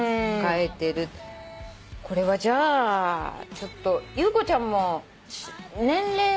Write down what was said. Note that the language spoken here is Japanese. これはじゃあちょっと遊子ちゃんも年齢は？